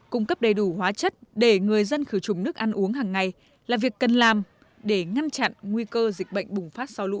cung cấp đầy đủ hóa chất để người dân khử trùng nước ăn uống hằng ngày là việc cần làm để ngăn chặn nguy cơ dịch bệnh bùng phát sau lũ